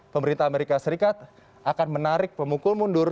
pemerintah amerika serikat akan menarik pemukul mundur